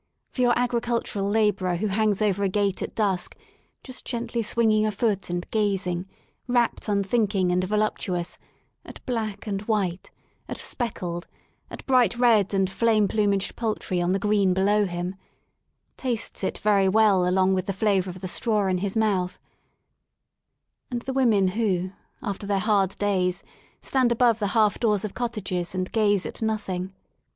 For your agricultural labourer who hangs over a gate at dusk, just gently swinging a foot and gating, wrapt unthinking and voluptuous, at black and white, at speckled, at bright red and flame plumaged poultry on the green below him, tastes it very well along with the flavour of the straw in his mouth — and the women who, after their hard days, stand above the half doors of cottages and gaze at nothing.